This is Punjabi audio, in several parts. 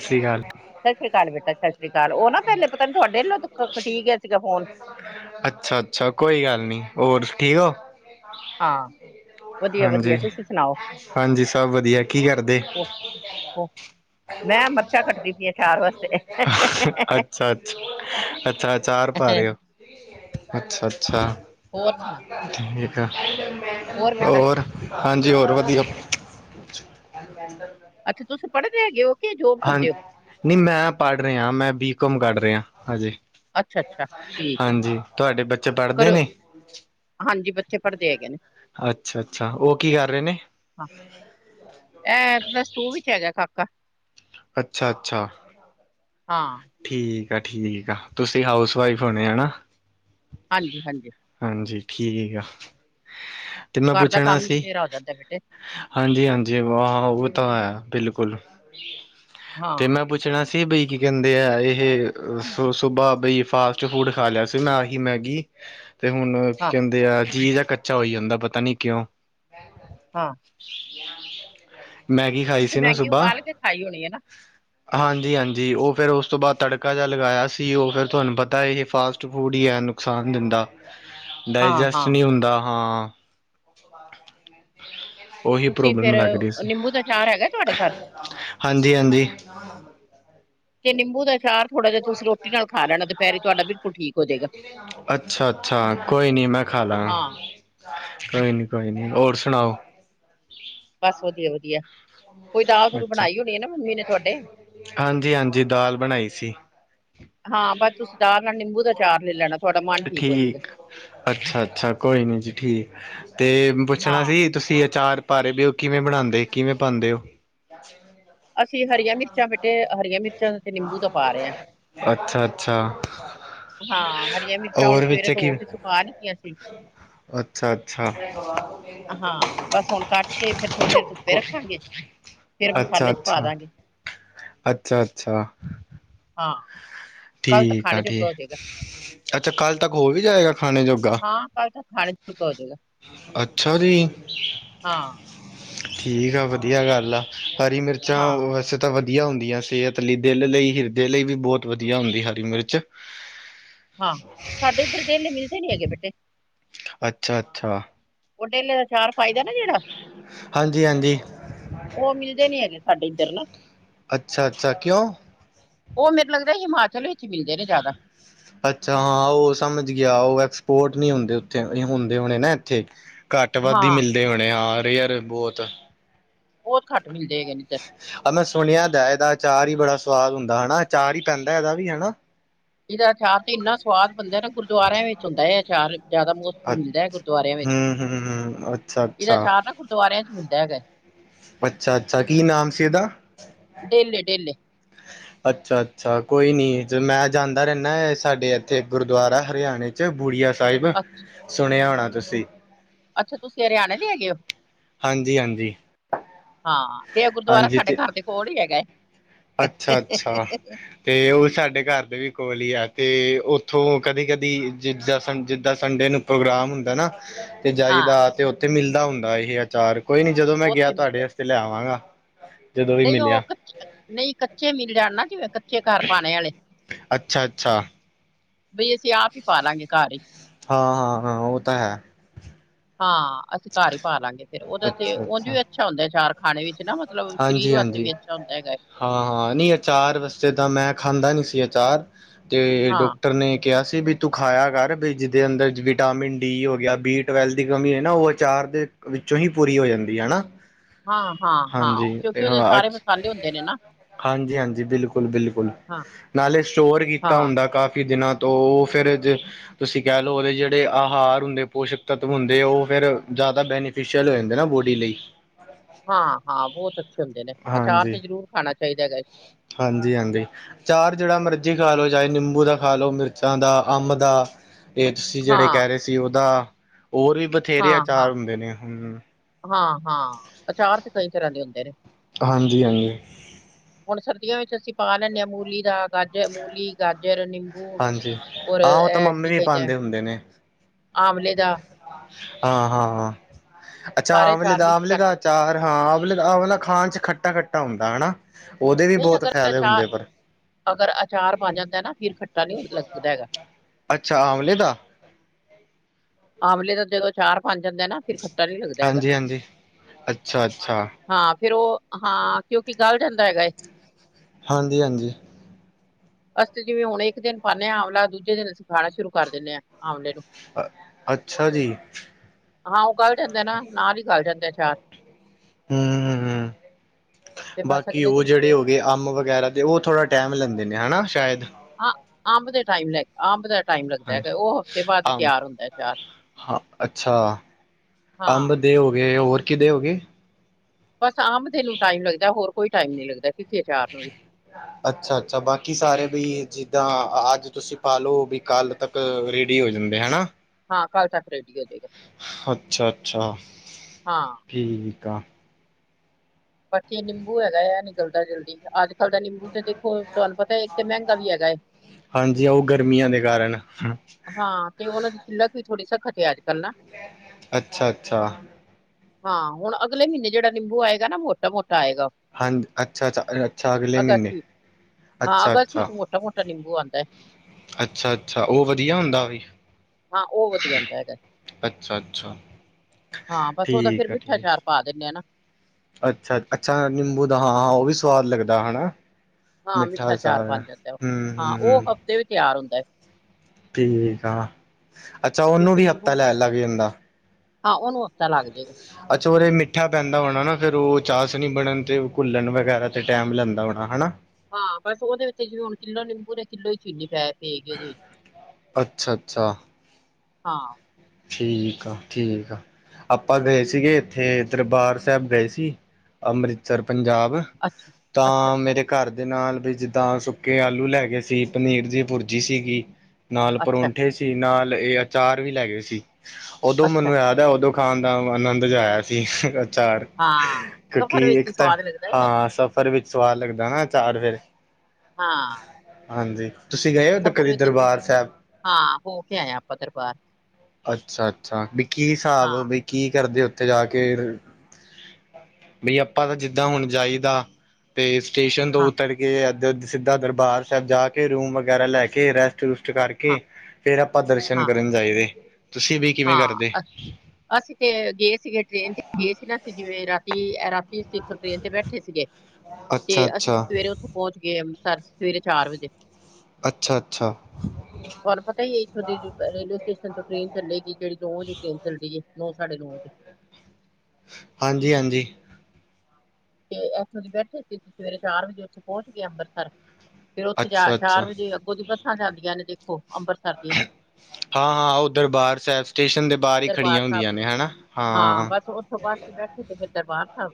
ਸ਼੍ਰੀ ਅਕਾਲ ਸਤਿ ਸ੍ਰੀ ਅਕਾਲ ਬੇਟਾ ਸਤਿ ਸ੍ਰੀ ਅਕਾਲ ਉਹ ਨਾ ਪਹਿਲੇ ਪਤਾ ਨੀ ਤੁਹਾਡੇ ਵਲੋਂ ਕਟੀ ਗਿਆ ਸੀਗਾ ਫੋਨ। ਅੱਛਾ-ਅੱਛਾ, ਕੋਈ ਗੱਲ ਨਹੀਂ, ਹੋਰ ਠੀਕ ਹੋ। ਹਾਂ। ਵਧੀਆ ਵਧੀਆ ਤੁਸੀਂ ਸੁਣਾਓ ਹਾਂਜੀ-ਹਾਂਜੀ, ਸਭ ਵਧੀਆ, ਕੀ ਕਰਦੇ? ਓ ਮੈਂ ਮਰਚਾ ਕੱਟਦੀ ਪਈਆਂ ਅਚਾਰ ਵਾਸਤੇ। ਅੱਛਾ ਅੱਛ ਅੱਛਾ ਅਚਾਰ ਪਾ ਰਹੇ ਹੋ। ਅੱਛਾ ਅੱਛਾ ਹੋਰ ਸੁਣਾ ਠੀਕ ਆ ਹੋਰ। ਹਾਂਜੀ ਹੋਰ ਵਧੀਆ ਨੈਂ [unintelligible] ਅੱਛੇ ਤੁਸੀਂ ਪੜ੍ਹਦੇ ਹੈਗੇ ਹੋ? ਕਿ ਜੋਬ ਹਾਂ ਕਰਦੇ ਹੋ ਨਹੀਂ ਮੈਂ ਪੜ੍ਹ ਰਿਹਾ ਮੈਂ ਬੀਕੋਮ ਕਰ ਰਿਹਾ ਹਜੇ ਅੱਛਾ ਅੱਛਾ ਠੀਕ ਹੈ ਹਾਂਜੀ ਤੁਹਾਡੇ ਬੱਚੇ ਪੜ੍ਹਦੇ ਕਰੋ ਨੇ? ਹਾਂਜੀ ਬੱਚੇ ਪੜ੍ਹਦੇ ਹੈਗੇ ਨੇ ਅੱਛਾ ਅੱਛਾ ਉਹ ਕੀ ਕਰ ਰਹੇ ਨੇ? ਇਹ ਪਲੱਸ ਟੂ ਵਿੱਚ ਹੈਗਾ ਕਾਕਾ ਅੱਛਾ ਅੱਛਾ ਹਾਂ ਠੀਕ ਆ ਠੀਕ ਆ ਤੁਸੀਂ ਹਾਊਸਵਾਈਫ ਹੋਣੇ ਹੈ ਨਾ ਹਾਂਜੀ ਹਾਂਜੀ ਹਾਂਜੀ ਠੀਕ ਆ ਤੇ ਮੈਂ ਘਰ ਦਾ ਪੁੱਛਣਾ ਕੰਮ ਹੀ ਸੀ ਬਥੇਰਾ ਹੋ ਜਾਂਦਾ ਬੇਟੇ ਹਾਂਜੀ ਹਾਂਜੀ ਵਾਹ ਉਹ ਤਾਂ ਹੈ ਬਿਲਕੁਲ ਹਾਂ ਤੇ ਮੈਂ ਪੁੱਛ ਛਣਾ ਸੀ ਬਈ ਕੀ ਕਹਿੰਦੇ ਹੈ ਇਹ ਸੁ ਸੁਬਾਹ ਬਈ ਫਾਸਟ ਫੂਡ ਖਾ ਲਿਆ ਸੀ ਮੈਂ ਆਹੀ ਮੈਗੀ ਤੇ ਹੁਣ ਕੀ ਹਾਂ ਕਹਿੰਦੇ ਆ ਜੀ ਜਾ ਕੱਚਾ ਹੋਈ ਜਾਂਦਾ ਪਤਾ ਨੀ ਕਿਉਂ ਹਾਂ ਹ ਤੁਸੀਂ ਮੈਗੀ ਉਬਾਲ ਕੇ ਖਾਈ ਹੋਣੀ ਐ ਨਾ। ਹਾਂਜੀ -ਹਾਂਜੀ ਔ ਫੇਰ ਉਸ ਤੋਂ ਬਾਅਦ ਤੜਕਾ ਜਾ ਲਗਾਇਆ ਸੀ ਔ ਫਿਰ ਤੁਆਨੂੰ ਪਤਾ ਈ ਫਾਸਟ ਫੂਡ ਈ ਐ ਨੁਕਸਾਨ ਦਿੰਦਾ। ਹਾਂ ਡਾਇਜੈਸਟ ਹਾਂ ਨੀ ਹੁੰਦਾ। ਹਾਂ, ਔਹੀ ਪ੍ਰੋਬਲਮ ਲੱਗਦੀ ਸੀ। ਚਾਰ ਹੈਗਾ ਤੁਹਾਡੇ ਘਰ, ਜੀ ਹਾਂਜੀ। ਤੇ ਨਿੰਬੂ ਦਾ ਅਚਾਰ ਥੋੜਾ ਜਾ ਤੁਸੀਂ ਰੋਟੀ ਨਾਲ ਖਾ ਲੈਨਾ ਦਪੈਰੇ ਤੁ ਆਡਾ ਬੀ ਅੱਛਾ- ਅੱਛਾ ਕੋਈ ਨੀ ਮੈਂ ਖਾ ਲਾ ਹਾਂ। ਗ ਕੋਈ ਨੀ, ਕੋਈ ਨੀ ਹੋਰ ਸੁਣਾਓ। ਬਸ ਵਧੀਆ- ਵਧੀਆ। ਕੋਈ ਦਾਲ ਦੂਲ ਅੱਛਾ ਬਣਾਈ ਹੋਣੀ ਹੈ ਨਾ ਮੰਮੀ ਨੇ ਤੁਹਾਡੇ, ਹਾਂਜੀ ਹਾਂਜੀ ਦਾਲ ਬਣਾਈ ਸੀ ਹਾਂ ਬਸ ਤੁਸੀਂ, ਦਾਲ ਨਾਲ ਨਿੰਬੂ ਦਾ ਚਾਰ ਲ ਲੈਨਾ। ਠੀਕ, ਅੱਛਾ -ਅੱਛਾ ਕੋਈ ਨੀ ਜੀ ਠੀਕ, ਤੇ ਪੁੱਛਣਾ ਹਾਂ। ਸੀ। ਤੁਸੀਂ ਅਚਾਰ ਪਾ ਰੇ ਵੀ ਔ, ਕਿਵੇਂ ਬਨਾਂਦੇ ਕਿਵੇਂ ਪਾਂਦੇ ਔ। [inaudible] ਅਸੀਂ ਹਰੀਆਂ ਮਿਰਚਾਂ ਬੇਟੇ, ਹਰੀਆਂ ਮਿਰਚਾਂ ਤੇ ਨਿੰਬੂ ਦਾਪਾ ਰੇ ਆ। ਅੱਛਾ - ਅੱਛਾ ਹਅ ਹਅ ਹਾਂ, ਹਰੀਆਂ ਮਿਰਚਾਂ ਹੁਣ ਸਵੇਰੇ ਧੋ ਕੇ ਸੁਕਾ ਲਿਤੀਆਂ ਸੀ। ਅੱਛਾ -ਅੱਛਾ। ਅਹਾਂ, ਬਸ ਹੁਣ ਕੱਟ ਕੇ, ਫੇਰ ਥੋੜੀ ਦੇਰ ਧੁੱਪੇ ਰਖਣ ਗੇ। ਫੇਰ ਅੱਛਾ ਮਸਾਲੇ ਚ ਪਾ ਅੱਛਾ ਦਾਂਗੇ। ਅੱਛਾ- ਅੱਛਾ। ਹਾਂ। ਕੱਲ ਤੱਕ ਠੀਕ ਖਾਣੇ ਜੋਗਾ ਠੀ ਹੋ ਜਾਏਗਾ [unintelligible] ਅੱਛਾ ਕੱਲ ਤੱਕ ਹੋ ਵੀ ਜਾਏਗਾ ਖਾਣੇ ਜੋ ਹਾਂ, ਕੱਲ ਤਾਂ ਖਾਣੇ ਜੋਗਾ ਹੋਜੇਗਾ। ਅੱਛਾ ਜੀ ਠੀਕ ਐ ਵਧੀਆ ਗੱਲ ਐ, ਹਰੀ ਮਿਰਚਾਂ ਹਾਂ ਵੇਸੇ ਤਾ ਵਧੀਆ ਹੁੰਦੀਆਂ, ਸਿਹਤ ਲਈ ਦਿਲ, ਲਈ ਹਿਰਦੇ ਲਈ, ਵੀ ਬਹੁਤ ਵਧੀਆ ਹੁੰਦੀ ਹਰੀ ਮਿਰਚ। ਹਾਂ, ਸਾਡੇ ਇੱਧਰ ਢੇਲੀ ਮਿਲਦੇ ਨੀ ਹੈਗੇ ਬੇਟੇ। ਅੱਛਾ -ਅੱਛਾ। ਔ ਡੇਲੇ ਦਾ ਚਾਰ ਪਇਦਾ ਨਾ ਜੇੜਾ। ਹਾਂਜੀ- ਹਾਂਜੀ। ਔ ਮਿਲਦੇ ਨੀ ਹੈਗੇ, ਸਾਡੇ ਇੱਧਰ ਨਾ। ਅੱਛਾ -ਅੱਛਾ ਕੇਯੋਂ? ਔ ਮੈਨੂੰ ਲੱਗਦਾ ਈ, ਹਿਮਾਚਲ ਵਿੱਚ ਮਿਲਦੇ ਨੇ ਜਾਦਾ। ਅੱਛਾ ਹਾਂ, ਔ ਸਮਝ ਗਿਆ ਔ ਐਕਸਪੋਰਟ ਨਹੀਂ ਹੁੰਦੇ ਔਥੇ ਹੁੰਦੇ ਹੋਨੇ ਨਾ ਇੱਥੇ। ਘੱਟ ਵੱਧ ਈ ਹਾਂ ਮਿਲਦੇ ਹੋਨੇ। ਹਾਂ ਰ ਯਰ [unintelligible] ਬੋਤ। ਬੋਤ ਘੱਟ ਮਿਲਦੇ ਹੈਗੇਨੇ ਇੱਧਰ। ਆ ਮੈਂ ਸੁਣਿਆ ਦੈ ਐਦਾ ਅਚਾਰ ਹੀ ਬੜਾ ਸਵਾਦ ਹੁੰਦਾ ਹਨਾ। ਅਚਾਰ ਹੀ ਪੈਂਦਾ ਹੈਗਾ ਵੀ ਹਨਾ? ਇਦਾ [unintelligible] ਅਚਾਰ ਤੇ ਇੰਨਾ ਸਵਾਦ ਬਣਦਾ ਨਾ ਕੁ ਦੁਆਰਿਆਂ ਵਿੱਚ ਹੁੰਦਾ ਏ ਅਚਾਰ, ਜਾਦਾ ਮੋਸਟਲੀ ਮਿਲਦੈ ਗੁਰਦੁਆਰਿਆਂ ਵਿੱਚ। ਹੁੰ-ਹੁੰਅਅਅ। ਅੱਛਾ ਇਹਦਾ -ਅੱਛਾ। ਅਚਾਰ ਨਾ ਗੁਰਦੁਆਰਿਆਂ ਚ ਮਿਲਦਾ ਹੈਗਾ। ਅੱਛਾ - ਅੱਛਾ ਕੀ ਨਾਮ ਸੀ ਐਦਾ? ਡੇਲੇ ਡੇਲੇ ਅੱਛਾ ਅੱਛਾ ਕੋਈ ਨੀ ਮੈਂ ਜਾਂਦਾ ਰਹਿੰਨਾ ਹ ਸਾਡੇ ਇੱਥੇ ਗੁਰਦੁਆਰਾ ਹਰਿਆਣੇ ਬੁੜੀਆ ਸਾਹਿਬ ਅੱਛ ਸੁਣਿਆ ਹੋਣਾ ਤੁਸੀਂ? ਅੱਛਾ ਤੁਸੀਂ ਹਰਿਆਣੇ ਦੇ ਹੈਗੇ ਹੋ? ਹਾਂਜੀ, ਹਾਂਜੀ। ਹਾਂ ਇਹ ਗੁਰਦੁਆਰਾ ਸਾਡੇ ਘਰ ਦੇ ਕੋਲ ਹੀ ਹੈਗਾ ਏ। ਅੱਛਾ, ਅੱਛਾ। ਤੇ ਉਹ ਸਾਡੇ ਘਰ ਦੇ ਵੀ ਕੋਲ ਈ ਆ ਤੇ ਉੱਥੋਂ ਕਦੀ ਕਦੀ ਜਿੱਦਾਂ ਸੰ ਜਿੱਦਾਂ ਸੰਡੇ ਨੂੰ ਪ੍ਰੋਗਰਾਮ ਹੁੰਦਾ ਨਾ ਤੇ ਜਾਈਦਾ ਹਾਂ ਅਤੇ ਉੱਥੇ ਮਿਲਦਾ ਹੁੰਦਾ ਇਹ ਆਚਾਰ ਕੋਈ ਨੀ ਜਦੋਂ ਮੈਂ ਗਿਆ ਉੱਥੇ ਮਿਲਦਾ ਤੁਹਾਡੇ ਹੈ। ਵਾਸਤੇ ਤੇ ਲੈ ਆਵਾਂਗਾ ਜਦੋਂ ਵੀ ਨਹੀਂ ਉਹ ਮਿਲਿਆ। ਨਹੀਂ ਕੱਚੇ ਮਿਲ ਜਾਣ ਨਾ ਜਿਵੇਂ ਕੱਚੇ ਘਰ ਪਾਣੇ ਆਲੇ ਅੱਛਾ-ਅੱਛਾ। ਬਈ ਅਸੀਂ ਆਪ ਹੀ ਪਾਲਾਂਗੇ ਘਰ ਹੀ ਹਾਂ, ਹਾਂ, ਹਾਂ ਉਹ ਤਾਂ ਹੈ। ਹਾਂ ਅਸੀਂ ਘਰ ਹੀ ਪਾ ਲਾਂਗੇ ਫੇਰ ਉਹਦਾ ਤੇ ਉਝ ਅੱਛਾ-ਅੱਛਾ ਵੀ ਅੱਛਾ ਹੁੰਦਾ ਅਚਾਰ ਖਾਣੇ ਵਿੱਚ ਨਾ। ਮਤਲਬ ਸਰੀਰ ਵਾਸਤੇ ਵੀ ਅੱਛਾ ਹੁੰਦਾ ਹੈਗਾ। ਹਾਂ ਨਹੀਂ ਅਚਾਰ ਵੈਸੇ ਤਾਂ ਮੈਂ ਖਾਂਦਾ ਨੀ ਸੀ ਅਚਾਰ ਤੇ ਹਾਂ, ਡਾਕਟਰ ਨੇ ਕਿਹਾ ਸੀ ਬੀ ਤੂੰ ਖਾਇਆ ਕਰ ਵੀ ਜਿਹਦੇ ਅੰਦਰ ਵਿਟਾਮਿਨ ਡੀ ਹੋ ਗਿਆ, ਬੀ-ਟਵੇਲਵ ਦੀ ਕਮੀ ਹੋਏ ਨਾ ਉਹ ਅਚਾਰ ਦੇ ਵਿੱਚੋਂ ਹੀ ਪੂਰੀ ਹੋ ਜਾਂਦੀ ਏ ਹੈ ਨਾ। ਹਾਂ, ਹਾਂ। ਹਾਂ ਹਾਂਜੀ ਕਿਉਂਕਿ ਤੇ ਉਹਦੇ ਹਾਂ ਸਾਰੇ ਅੱਜ ਮਸਾਲੇ ਹੁੰਦੇ ਨੇ ਨਾ। ਹਾਂਜੀ ਹਾਂਜੀ ਬਿਲਕੁਲ ਬਿਲਕੁਲ ਹਾਂ, ਨਾਲੇ ਸਟੋਰ ਕੀਤਾ ਹਾਂ, ਹੁੰਦਾ ਕਾਫੀ ਦਿਨਾਂ ਤੋ ਫਿਰ ਜੇ ਤੁਸੀਂ ਕਹਿ ਲਓ ਉਹਦੇ ਜਿਹੜੇ ਆਹਾਰ ਹੁੰਦੇ, ਪੋਸ਼ਕ ਤਤਵ ਹੁੰਦੇ ਉਹ ਫਿਰ ਜ਼ਿਆਦਾ ਬੈਨੀ ਫੇਸ਼ੀਅਲ ਹੋ ਜਾਂਦੇ ਨਾ ਬੋਡੀ ਲਈ ਹਾਂ ਹਾਂ ਬਹੁਤ ਅੱਛੇ ਹੁੰਦੇ ਨੇ ਅਚਾਰ ਤੇ ਜ਼ਰੂਰ ਖਾਣਾ ਚਾਹੀਦਾ ਹੈਗਾ। ਹਾਂਜੀ, ਹਾਂਜੀ। ਅਚਾਰ ਜਿਹੜਾ ਮਰਜ਼ੀ ਖਾ ਲਉ ਚਾਹੇ ਨਿੰਬੂ ਦਾ ਖਾ ਲਉ, ਮਿਰਚਾਂ ਦਾ, ਅੰਬ ਦਾ। ਤੇ ਤੁਸੀਂ ਜਿਹੜੇ ਹਾਂ, ਕਹਿ ਰਹੇ ਸੀ ਉਹਦਾ ਹੋਰ ਵੀ ਬਥੇਰੇ ਹਾਂ, ਅਚਾਰ ਹਾਂ, ਹੁੰਦੇ ਨੇ। ਹਾਂ ਹਾਂ ਅਚਾਰ ਤੇ ਕਈ ਤਰ੍ਹਾਂ ਦੇ ਹੁੰਦੇ ਨੇ। ਹਾਂਜੀ, ਹਾਂਜੀ। ਹੁਣ ਸਰਦੀਆਂ ਵਿੱਚ ਅਸੀਂ ਪਾ ਲੈਂਦੇ ਹਾਂ ਮੂਲੀ ਦਾ ਗਾਜਰ ਮੂਲੀ ਗਾਜਰ ਨਿੰ ਨਿੰਬੂ ਹਾਂਜੀ ਔਰ ਹਾਂ ਉਹ ਤਾਂ ਇਹ ਮੰਮੀ ਕੀ ਵੀ ਕਹੀ ਦੈ ਪਾਉਂਦੇ ਆਮਲੇ ਦਾ। ਹਾਂ, ਹਾਂ, ਹਾਂ ਅੱਛਾ ਸਾਰੇ ਆਵਲੇ ਅਚਾਰ ਦਾ ਮਿਕਸ ਆਵਲੇ ਦਾ ਕਰਕੇ ਅਚਾਰ ਹਾਂ ਅਵਲਾ ਅਵਲਾ ਖਾਣ ਚ ਖੱਟਾ ਖੱਟਾ ਹੁੰਦਾ ਹਨਾ ਉਹਦੇ ਵੀ ਨਹੀਂ ਬਹੁਤ ਅਗਰ ਫਾਇਦੇ ਅਚਾਰ ਹੁੰਦੇ ਪਰ। ਅਗਰ ਅਚਾਰ ਬਣ ਜਾਂਦਾ ਨਾ ਫਿਰ ਖੱਟਾ। ਨੀ ਲੱਗਦਾ ਹੈਗਾ ਅੱਛਾ ਆਵਲੇ ਦਾ ਆਂਵਲੇ ਦਾ ਜਦੋਂ ਆਚਾਰ ਬਣ ਜਾਂਦਾ ਏ ਨਾ ਫਿਰ ਖੱਟਾ ਨੀ ਲੱਗਦਾ ਹੈਗਾ। ਹਾਂਜੀ-ਹਾਂਜੀ ਅੱਛਾ-ਅੱਛਾ ਹਾਂ ਫੇਰ ਉਹ, ਹਾਂ ਕਿਉਂਕਿ ਗੱਲ ਜਾਂਦਾ ਹੈਗਾ ਏ। ਹਾਂਜੀ-ਹਾਂਜੀ। ਅਸੀਂ ਤੇ ਜਿਵੇਂ ਹੁਣ ਇੱਕ ਦਿਨ ਪਾਣੇ ਆਂ ਆਵਲਾ ਦੂਜੇ ਦਿਨ ਅਸੀਂ ਖਾਣਾ ਸ਼ੁਰੂ ਕਰ ਦਿੰਦੇ ਹਾਂ ਆਵਲੇ ਨੂੰ। ਅ ਅੱਛਾ ਜੀ! ਹਾਂ ਉਹ ਗੱਲ ਜਾਂਦਾ ਨਾ ਨਾਲ ਹੀ ਗੱਲ ਜਾਂਦਾ ਆਚਾਰ। ਹਮ। ਤੇ ਬਸ ਬਾਕੀ ਅਗਲੇ ਉਹ ਦਿਨ ਜਿਹੜੇ ਫਿਰ ਹੋ ਗਏ ਅੰਮ ਵਗੈਰਾ ਤੇ ਉਹ ਥੋੜ੍ਹਾ ਟਾਈਮ ਲੈਂਦੇ ਨੇ ਹੈ ਨਾ ਸ਼ਾਇਦ ਆ ਅੰਬ ਤੇ ਟਾਈਮ ਲੈ ਅੰਬ ਦਾ ਟਾਈਮ ਲੱਗਦਾ ਐਗਾ ਹਾਂਜੀ ਓ ਹਫ਼ਤੇ ਬਾਦ ਅੰਬ ਤਿਆਰ ਹੁੰਦਾ ਐ ਅਚਾਰ। ਹਾਂ ਅੱਛਾ ਹਾਂ ਅੰਬ ਦੇ ਹੋਗੇ ਹੋਰ ਕਿਦੇ ਹੋਗੇ? ਬਸ ਅੰਬ ਦੇ ਨੂੰ ਟਾਈਮ ਲੱਗਦਾ ਹੋਰ ਕੋਈ ਟਾਈਮ ਨੀ ਲੱਗਦਾ ਕਿਸੇ ਅਚਾਰ ਨੂੰ ਵੀ। ਅੱਛਾ-ਅੱਛਾ ਬਾਕੀ ਸਾਰੇ ਬਈ ਜਿੱਦਾਂ ਅੱਜ ਤੁਸੀਂ ਪਾਲੋ ਵੀ ਕੱਲ ਤੱਕ ਅ ਰੇਡੀ ਹੋ ਜਾਂਦੇ ਹੈਨਾ ਹਾਂ ਕਾੱਲ ਤਕ ਰੇਡੀ ਹੋਜੇਗਾ। ਅੱਛਾ-ਅੱਛਾ ਹਾਂ ਠੀਕ ਆ। ਬਾਕੀ ਐ ਨਿੰਬੂ ਹੈਗਾ ਆ ਏ ਨਿਕਲਦਾ ਜਲਦੀ ਆੱਜ-ਕਾਲ ਦਾ ਨਿੰਬੂ ਤੇ ਦੇਖੋ ਤੁਆਨੂੰ ਪਤਾ ਇੱਕ ਤੇ ਮੈੰਗਾ ਵੀ ਹੈਗਾ ਏ। ਹਾਂਜੀ ਓ ਗਰਮੀਆਂ ਦੇ ਕਾਰਨ। ਹਾਂ ਤੇ ਓਨਾਂ ਦੀ ਛਿੱਲਕ ਵੀ ਥੋੜੀ ਸਖਤ ਏ ਆੱਜ-ਕਾੱਲ ਨਾ। ਅੱਛਾ-ਅੱਛਾ। ਹਾਂ ਹੁਣ ਅਗਲੇ ਮ੍ਹੀਨੇ ਜੇੜਾ ਨਿੰਬੂ ਆਏਗਾ ਨਾ ਮੋਟਾ-ਮੋਟਾ ਆਏਗਾ। ਹਾਂਨ ਅੱਛਾ-ਅੱਛਾ, ਅੱਛਾ ਅਗਲੇ ਮ੍ਹੀਨੇ ਅੱਛਾ-ਅੱਛਾ। ਮੋਟਾ-ਮੋਟਾ ਨਿੰਬੂ ਆਂਦੈ। ਅੱਛਾ-ਅੱਛਾ ਓ ਵਦੀਆ ਹੁੰਦਾ ਵੀ। ਹਾਂ ਓ ਵਦੀਆ ਹੁੰਦਾ ਹੈਗਾ। ਅੱਛਾ-ਅੱਛਾ। ਹਾਂ ਬਸ ਓਦਾ ਫੇਰ ਮਿੱਠਾ ਅਚਾਰ ਪਾ ਦਿਨੇ ਆ ਨਾ। ਅੱਛਾ ਅ ਅੱਛਾ ਨਿੰਬੂ ਦਾ ਹਾਂ-ਹਾਂ ਓ ਵੀ ਸਵਾਦ ਲੱਗਦਾ ਹੈਨਾ। ਹਾਂ ਮਿੱਠਾ ਅਚਾਰ ਬਣ ਜਾਂਦਾ ਓ ਹੂੰ ਹਾਂ ਹੂੰ ਓ ਹੂੰ ਹਫ਼ਤੇ ਵੀ ਤਿਆਰ ਹੁੰਦੈ। ਠੀਕ ਆ ਅੱਛਾ ਓਨੂੰ ਕਿਉਂਕਿ ਵੀ ਹਫ਼ਤਾ ਨਿੰਬੂ ਲੈਨ ਲੱਗ ਜਾਂਦੈ। ਹਾਂ ਓਨੂੰ ਹਫ਼ਤਾ ਲੱਗ ਜੇਗਾ। ਅੱਛਾ ਉਦੇ ਆ ਮਿੱਠਾ ਪੈਂਦਾ ਹੋਣਾ ਨਾ ਫੇਰ ਓ ਚਾਸ਼ਨੀ ਬਣਨ ਤੇ ਘੁੱਲਣ ਵਗੈਰਾ ਚ ਟੈਮ ਲੈਂਦਾ ਹੋਣਾ ਹੈਨਾ। ਹਾਂ ਬਸ ਓਦੇ ਵਿੱਚ ਜਿਵੇ ਹੁਣ ਕਿੱਲੋ ਨਿੰਬੂ ਤੇ ਕਿੱਲੋ ਈ ਚੀਨੀ ਪੈਜੇਗੀ ਓਦੇ ਵਿੱਚ। ਅੱਛਾ-ਅੱਛਾ। ਹਾਂ। ਠੀਕ ਆ-ਠੀਕ ਆ। ਆਪਾਂ ਗਏ ਸੀਗੇ ਇੱਥੇ ਦਰਬਾਰ ਸਾਹਿਬ ਗਏ ਸੀ ਅੰਮ੍ਰਿਤਸਰ ਪੰਜਾਬ ਅੱਛਾ ਅੱਛਾ ਤਾਂ ਅੱਛਾ ਮੇਰੇ ਘਰਦੇ ਨਾਲ ਵੀ ਜਿੱਦਾਂ ਸੁੱਕੇ ਆਲੂ ਲੈ ਗਏ ਸੀ, ਪਨੀਰ ਦੀ ਭੁਰਜੀ ਸੀਗੀ ਨਾਲ ਅੱਛਾ ਪਰੋਂਠੇ ਸੀ, ਨਾਲ ਏ ਅਚਾਰ ਵੀ ਲੈ ਗਏ ਸੀ ਓਦੋਂ ਅੱਛਾ ਮੈਨੂ ਯਾਦ ਤਾ ਉਦੋਂ ਖਾਣ ਦਾ ਆਨੰਦ ਜਾ ਆਇਆ ਸੀ ਅਚਾਰ ਹਾਂ, ਸਫ਼ਰ ਕਿਉਂਕਿ ਵਿੱਚ ਇੱਕ ਹੀ ਤਾਂ ਸਵਾਦ ਲੱਗਦਾ ਹੈ, ਹਾਂ ਸਫ਼ਰ ਵਿੱਚ ਸਵਾਦ ਲੱਗਦਾ ਨਾ ਅਚਾਰ ਫੇਰ ਹਾਂ। ਹਾਂਜੀ, ਤੁਸੀਂ ਗਏ ਓ ਉਧਰ ਸਫ਼ਰ ਕਦੀ ਵਿੱਚ ਜੀ ਦਰਬਾਰ ਸੈਬ? ਹਾਂ ਹੋਕੇ ਆਏ ਆਪਾਂ ਦਰਬਾਰ ਅੱਛਾ-ਅੱਛਾ ਬਈ ਕੀ ਹਾਂ, ਸਾਬ ਬਈ ਕੀ ਕਰਦੇ ਓੱਥੇ ਜਾ ਕੇ ਬਈ ਆਪਾਂ ਤਾਂ ਜਿੱਦਾਂ ਹੁਣ ਜਾਈਦਾ ਤੇ ਸਟੇਸ਼ਨ ਤੋਂ ਹਾਂ, ਉਤਰ ਕੇ ਐਦਰ ਸਿੱਧਾ ਦਰਬਾਰ ਸੈਬ ਜਾ ਕੇ ਰੂਮ ਵਗੈਰਾ ਲੈ ਕੇ ਰੈਸਟਰੂਸਟ ਹਾਂ, ਕਰਕੇ ਫੇਰ ਆਪਾਂ ਦਰਸ਼ਨ ਹਾਂ, ਕਰਨ ਜਾਈਦੇ। ਤੁਸੀਂ ਵੀ ਕਿਵੇਂ ਕਰਦੇ ਹਾਂ ਅ। ਅਸੀਂ ਤੇ ਗਏ ਸੀਗੇ ਟ੍ਰੇਨ ਤੇ ਗਏ ਸੀ ਨਾ ਅਸੀਂ ਜਿਵੇਂ ਰਾਤੀ ਐ ਰਾਤੀ ਸੀ ਇਥੋਂ ਟ੍ਰੇਨ ਤੇ ਬੈਠੇ ਸੀਗੇ। ਤੇ ਅੱਛਾ ਅਸੀਂ ਅੱਛਾ ਸਵੇਰੇ ਓਥੋਂ ਪੌਂਚ ਗਏ ਅੰਮ੍ਰਿਤਸਰ ਸਵੇਰੇ ਚਾਰ ਵਜੇ। ਅੱਛਾ-ਅੱਛਾ। ਤੁਆਨੂੰ ਪਤਾ ਈ ਏਥੋਂ ਰੇਲ ਰੇਲਵੇ ਸਟੇਸ਼ਨ ਤੋਂ ਟ੍ਰੇਨ ਚੱਲੇਗੀ ਜੇੜੀ ਦੋ ਵਜੇ ਟ੍ਰੇਨ ਚੱਲਦੀ ਏ ਨੌ-ਸਾਢੇ ਨੌ ਵਜੇ। ਹਾਂਜੀ-ਹਾਂਜੀ। ਤੇ ਐਥੋਂ ਦੀ ਬੈਠੇ ਸੀ ਅਸੀਂ ਸਵੇਰੇ ਚਾਰ ਵਜੇ ਓਥੇ ਪੋਂਚ ਗਏ ਆ ਅੰਬਰਸਰ। ਫੇਰ ਓਥੇ ਜਾ ਅੱਛਾ ਚਾਰ ਅੱਛਾ ਵਜੇ ਅੱਗੋਂ ਦੀ ਬੱਸਾਂ ਜਾਂਦੀਆਂ ਨੇ ਦੇਖੋ ਅੰਬਰਸਰ ਦੀਆਂ। ਹਾਂ-ਹਾਂ ਓ ਓਦਰ ਬਾਰ ਸੈਬ ਸਟੇਸ਼ਨ ਦੇ ਬਾਰ ਈ ਖੜੀਆਂ ਦਰਬਾਰ ਹੁੰਦੀਆਂ ਨੇ ਹੈਨਾ ਹਾਂ। ਉੱਥੋਂ ਓਥੋਂ ਬਸ ਚ ਬੈਠੇ ਤੇ ਫੇਰ ਦਰਬਾਰ ਸੈਬ।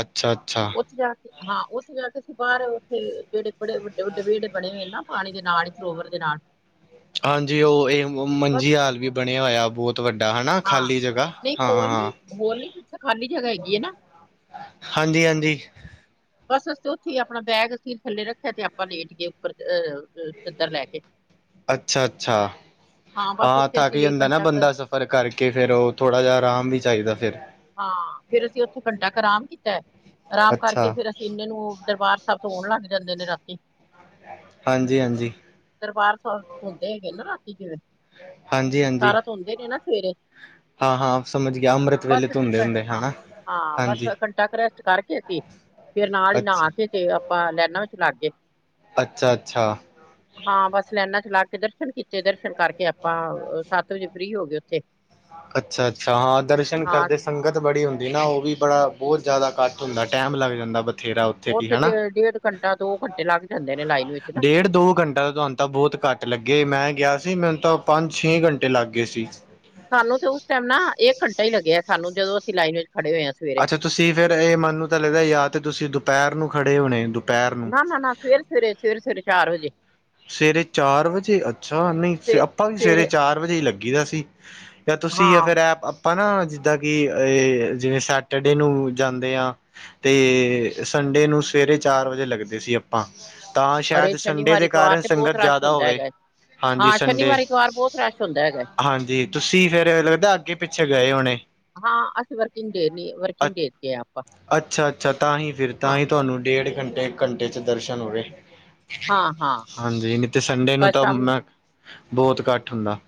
ਅੱਛਾ-ਅੱਛਾ। ਜਾ ਕੇ ਹਾਂ ਓੱਥੇ ਜਾ ਕੇ ਅਸੀਂ ਬਾਰ ਓੱਥੇ ਜੇੜੇ ਬੜੇ ਵੱਡੇ-ਵੱਡੇ ਵੇੜੇ ਬਣੇ ਹੋਏ ਨਾ ਪਾਣੀ ਦੇ ਨਾਲ ਈ ਸਰੋਵਰ ਦੇ ਨਾਲ। ਹਾਂਜੀ ਓ ਏ ਬਸ ਮੰਜੀ ਹਾਲ ਵੀ ਬਣਿਆ ਹੋਇਆ ਬੋਤ ਵੱਡਾ ਹੈਨਾ ਹਾਂ ਖਾਲੀ ਜਗ੍ਹਾ ਨਹੀਂ ਹੋਰ ਹਾਂ। ਨਹੀਂ ਹੋਰ ਨਹੀਂ ਜਿੱਥੇ ਖਾਲੀ ਜਗ੍ਹਾ ਹੈਗੀ ਹੈ ਨਾ ਹਾਂਜੀ-ਹਾਂਜੀ। ਬਸ ਅਸੀਂ ਓੱਥੇ ਈ ਆਪਣਾ ਬੈਗ ਸੀਟ ਥੱਲੇ ਰੱਖਿਆ ਤੇ ਆਪਾਂ ਲੇਟ ਗਏ ਉੱਪਰ ਅ ਚੱਦਰ ਲੈ ਕੇ। [inaudible] ਅੱਛਾ-ਅੱਛਾ ਬਸ ਹਾਂ ਉੱਥੇ ਥੱਕ ਅਸੀਂ ਜਾਂਦਾ ਨਾ ਘੰਟਾ ਕੁ ਬੰਦਾ ਸ ਫਰ ਕਰਕੇ ਫੇਰ ਓ ਥੋੜਾ ਜਿਆ ਆਰਾਮ ਵੀ ਚਾਈਦਾ ਫੇਰ। ਹਾਂ ਫੇਰ ਅਸੀਂ ਓਥੇ ਘੰਟਾ ਕੁ ਆਰਾਮ ਕੀਤਾ ਆਰਾਮ ਕਰਕੇ ਅੱਛਾ ਫੇਰ ਅਸੀਂ ਇਨੇ ਨੂੰ ਦਰਬਾਰ ਧੋਨ ਲੱਗ ਜਾਂਦੇ ਨੇ ਰਾਤੀ। ਹਾਂਜੀ-ਹਾਂਜੀ। ਦਰਬਾਰ ਸਾਬ ਧੋਂਦੇ ਹੈਗੇ ਨਾ ਰਾਤੀ ਜਿਵੇਂ ਹਾਂਜੀ ਹਾਂਜੀ ਸਾਰਾ ਧੋਂਦੇ ਨੇ ਨਾ ਸਵੇਰੇ। ਹਾਂ ਹਾਂ ਸਮਝ ਗਿਆ ਅੰਮ੍ਰਿਤ ਬਸ ਵੇਲੇ ਅਸੀਂ ਧੁੰਦੇ ਹਾਂ ਹੁੰਦੇ ਹਨਾ ਹਾਂ ਬਸ ਹਾਂਜੀ ਘੰਟਾ ਕ ਰੈਸਟ ਕਰਕੇ ਅਸੀ ਫੇਰ ਨਾਲ ਈ ਨ੍ਹਾ ਅੱਛਾ ਕੇ ਤੇ ਆਪਾਂ ਲੈਨਾ ਵਿੱਚ ਲੱਗ ਗਏ। ਅੱਛਾ-ਅੱਛਾ। ਹਾਂ ਬਸ ਲੈਨਾ ਚ ਲ‌ਗ ਕੇ ਦਰਸ਼ਨ ਕੀਤੇ ਦਰਸ਼ਨ ਕਰਕੇ ਆਪਾਂ ਸੱਤ ਵਜੇ ਫ੍ਰੀ ਹੋ ਗਏ ਓੱਥੇ। ਅੱਛਾ-ਅੱਛਾ ਹਾਂ ਦਰਸ਼ਨ ਹਾਂ ਕਰਦੇ ਸੰਗਤ ਬੜੀ ਹੁੰਦੀ ਨਾ ਓ ਵੀ ਬੜਾ ਬੋਤ ਜੈਦਾ ਕਾੱਠ ਹੁੰਦਾ ਟੈਮ ਲੱਗ ਜਾਂਦਾ ਬ ਓਥੇ ਤੇ ਡੇਢ ਘੰਟਾ ਦੋ ਘੰਟੇ ਲੱਗ ਜਾਂਦੇ ਨੇ ਲਾਈਫ। ਡੇਢ ਦੋ ਘੰਟਾ ਤੇ ਤਵੈਨ ਤਾਂ ਬੋਤ ਘੱਟ ਲੱਗੇ ਮੈਂ ਗਿਆ ਸੀ ਮੈਨੂੰ ਤਾਂ ਪੰਜ-ਛੇ ਘੰਟੇ ਲੱਗ ਗਏ ਸੀ। ਸਾਨੂੰ ਤੇ ਉਸ ਟੈਮ ਨਾ ਏਕ ਘੰਟਾ ਈ ਲੱਗਿਆ ਸਾਨੂੰ ਜਦੋਂ ਅਸੀਂ ਲਾਈਨ ਵਿੱਚ ਖੜੇ ਹੋਏ ਆ। ਅੱਛਾ ਤੁਸੀਂ ਫੇਰ ਐ ਮਨੂੰ ਤਾਂ ਲਗਦਾ ਯਾ ਤੇ ਤੁਸੀਂ ਦੁਪੈਰ ਨੂੰ ਖੜੇ ਹੋਨੇ ਦੁ ਨਾ ਨਾ ਨਾ ਸਵੇਰੇ-ਸਵੇਰੇ, ਸਵੇਰੇ-ਸਵੇਰੇ ਚਾਰ ਵਜੇ। ਸਵੇਰੇ ਚਾਰ ਵਜੇ ਅੱਛਾ! ਨਈ ਆਪਾਂ ਵੀ ਸਵੇਰੇ ਚਾਰ ਵਜੇ ਈ ਲੱਗੀ ਦਾ ਸੀ। ਯਾ ਤੁਸੀਂ ਹਾਂ ਫਿਰ ਐ ਆਪਾਂ ਨਾ ਜਿਦਾਂ ਕਿ ਏ ਜਿਵੇਂ ਸੈਟਰਡੇ ਨੂੰ ਜਾਂਦੇ ਆ। ਤੇ ਸੰਡੇ ਨੂੰ ਸਵੇਰੇ ਚਾਰ ਵਜੇ ਲੱਗਦੇ ਸੀ ਆਪਾਂ ਤਾਂ ਅਰੇ ਸ਼ਾਇਦ ਸੰਡੇ ਸ਼ਨੀਵਾਰ ਦੇ ਐਤਵਾਰ ਕਾਰਨ ਤੇ ਬਹੁਤ ਸੰਗਤ ਰਸ਼ ਜੈਦਾ ਹੁੰਦਾ ਹੋਵੇ। ਹੈਗਾ ਹੈ। ਹਾਂਜੀ ਹਾਂ ਸੰਡੇ ਸ਼ਨੀਵਾਰ ਐਤਵਾਰ ਬਹੁਤ ਰਸ਼ ਹੁੰਦਾ ਹੈਗਾ ਹੈ। ਹਾਂਜੀ ਤੁਸੀਂ ਫੇਰ ਲੱਗਦਾ ਅੱਗੇ ਪਿੱਛੇ ਗਏ ਹੋਣੇ। ਹਾਂ ਅਸੀਂ ਵਰਕਿੰਗ ਡੇ ਨੇ ਅ ਵਰਕਿੰਗ ਡੇ ਕੇ ਆ ਆਪਾਂ ਹਾਂ। ਤੁਆਨੂੰ ਡੇਢ ਘੰਟੇ ਇੱਕ ਘੰਟੇ ਚ ਦਰਸ਼ਨ ਹੋਵੇ। ਹਾਂ-ਹਾਂ, ਹਾਂਜੀ ਨਈ ਤੇ ਸੰਡੇ ਨੂੰ ਬਸ ਤਾਂ ਸ਼ਾਮੀ ਮੈਂ ਬੋਤ ਘੱਟ ਹੁੰਦਾ।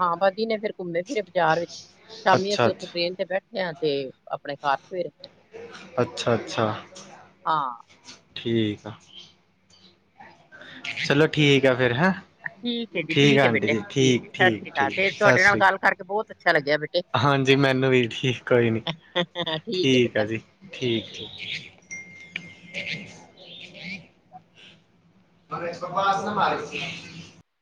ਹਾਂ ਬਾ ਦਿਨੇ ਫੇਰ ਘੁੰਮੇ ਫਰੇ ਬਾਜ਼ਾਰ ਵਿੱਚ ਸ਼ਾਮੀ ਅੱਛਾ ਅਸੀਂ ਉੱਥੋਂ ਅੱਛਾ ਟ੍ਰੇਨ ਤੇ ਬੈ ਠੇ ਆ ਤੇ ਆਪਣੇ ਘਰ ਸਵੇਰ ਅੱਛਾ, ਅੱਛਾ ਹਾਂ ਠੀਕ ਆ। ਚਲੋ ਠੀਕ ਐ ਫਿਰ ਹੈਂ। ਠੀਕ ਏ ਜੀ, ਠੀਕ ਆ ਏ ਆਂਟੀ ਬੇਟੇ, ਜੀ ਠੀਕ ਏ ਸਸ੍ਰੀ ਕਾਲ, ਠੀਕ ਤੇ ਸਤਿ ਤੂਆਡੇ ਨਾਲ ਸ਼੍ਰੀ ਗਾੱਲ ਕਾਰਕੇ ਬੋਤ ਅੱਛਾ ਲੱਗੇਆ ਬੇਟ ਹਾਂਜੀ, ਮੈਨੂੰ ਵੀ ਠੀਕ ਕੋਈ ਨੀ, ਹੈ ਬੇਟਾ। ਠੀਕ ਆ ਜੀ। ਠੀਕ, ਠੀਕ, ਠੀਕ। [inaudible]